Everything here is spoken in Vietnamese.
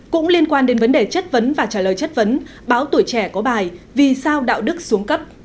cũng liên quan đến vấn đề chất vấn và trả lời chất vấn báo tuổi trẻ có bài vì sao đạo đức xuống cấp